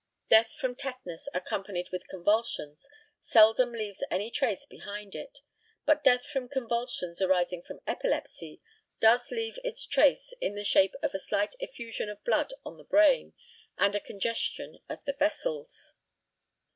Death from tetanus accompanied with convulsions seldom leaves any trace behind it; but death from convulsions arising from epilepsy does leave its trace in the shape of a slight effusion of blood on the brain, and a congestion of the vessels.